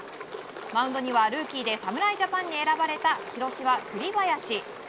マウンドにはルーキーで侍ジャパンに選ばれた広島の栗林。